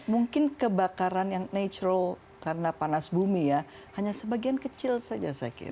mungkin kebakaran yang natural karena panas bumi ya hanya sebagian kecil saja saya kira